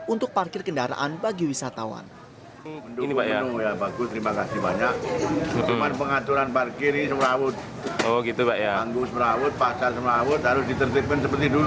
untuk parkir kendaraan bagi wisatawan